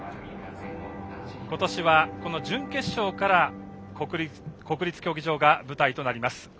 今年は、準決勝から国立競技場が舞台となります。